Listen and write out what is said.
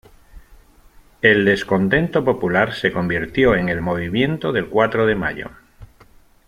El descontento popular se convirtió en el Movimiento del Cuatro de Mayo.